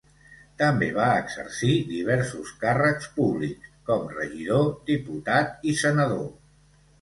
També va exercir diversos càrrecs públics, com regidor, diputat i senador.